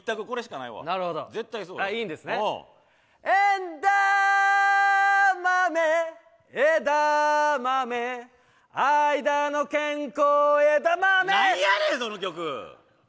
なんやねん、その曲！